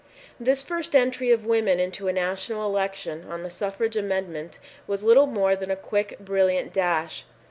This first entry of women into a national election on the suffrage amendment was little more than a quick, brilliant dash.